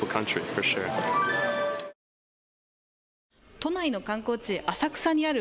都内の観光地、浅草にある